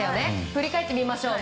振り返ってみましょう。